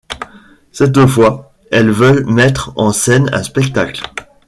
Cette fois, elles veulent mettre en scène un spectacle.